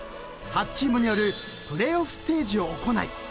［８チームによるプレーオフステージを行い